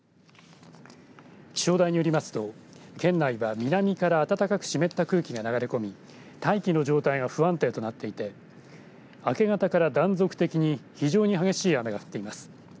気象台によりますと県内は南から暖かく湿った空気が流れ込み大気の状態が不安定となっていて明け方から断続的に非常に激しい雨が降っています。